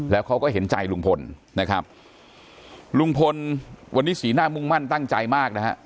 แล้วเขาก็เห็นใจลุงพลนะครับลุงพลวันนี้สีหน้ามุ่งมั่นตั้งใจมากนะฮะ